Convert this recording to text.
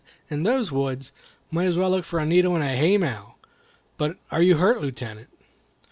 in those woods? Might as well look for a needle in a haymow. But are you hurt, Lieutenant?"